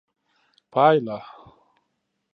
پایله: